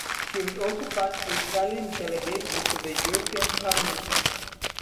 She was also part of the Italian delegation to the European Parliament.